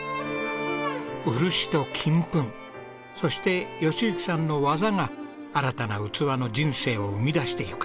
漆と金粉そして喜行さんの技が新たな器の人生を生み出していく。